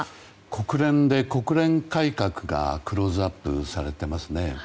国連で国連改革がクローズアップされてますね。